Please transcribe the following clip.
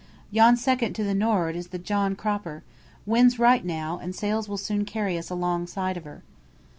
"Yon second to the norrard is the John Cropper. Wind's right now, and sails will soon carry us alongside of her."